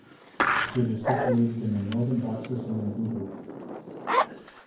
It is situated in the northern dock system in Bootle.